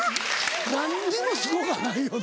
何にもすごないよな。